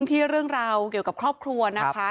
ที่เรื่องราวเกี่ยวกับครอบครัวนะคะ